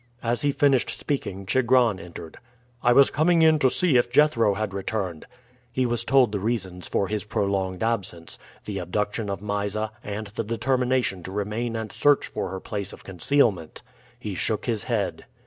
As he finished speaking Chigron entered. "I was coming in to see if Jethro had returned." He was told the reasons for his prolonged absence the abduction of Mysa, and the determination to remain and search for her place of concealment. He shook his head.